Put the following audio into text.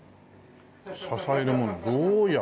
支えるものどうやって。